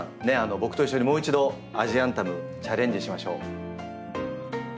僕と一緒にもう一度アジアンタムチャレンジしましょう。